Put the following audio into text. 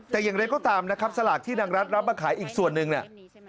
แต่อย่างไรก็ตามนะครับสลากที่นางรัฐรับมาขายอีกส่วนหนึ่งเนี่ย